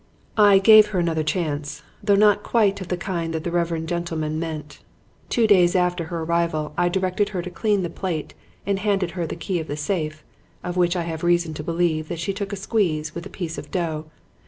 "I gave her another chance, though not quite of the kind that the reverend gentleman meant. Two days after her arrival I directed her to clean the plate and handed her the key of the safe, of which I have reason to believe that she took a squeeze with a piece of dough.